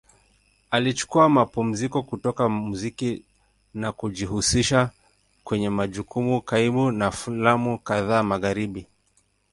Alichukua mapumziko kutoka muziki na kujihusisha kwenye majukumu kaimu na filamu kadhaa Magharibi.